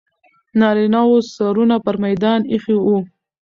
نارینه و سرونه پر میدان ایښي وو.